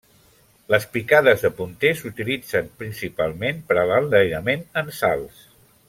Les picades de punter s'utilitzen principalment per a l'enlairament en salts.